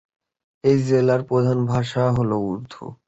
এই জেলার প্রধান ভাষা হল উর্দু।